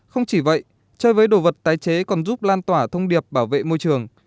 không chỉ vậy chơi với đồ vật tái chế còn giúp lan tỏa thông điệp bảo vệ môi trường